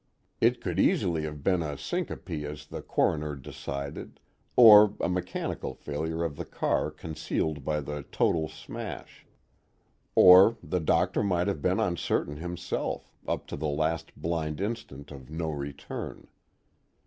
It could easily have been a syncope as the coroner decided, or a mechanical failure of the car concealed by the total smash. Or the Doctor might have been uncertain himself, up to the last blind instant of no return.